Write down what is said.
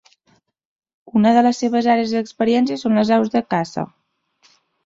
Una de les seves àrees d'experiència són les aus de caça.